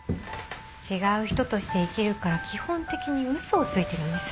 違う人として生きるから基本的に嘘をついてるんです。